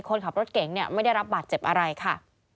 คนขับรถเก๋งเนี่ยไม่ได้รับบาดเจ็บอะไรค่ะ